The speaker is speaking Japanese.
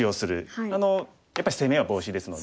やっぱり「攻めはボウシ」ですので。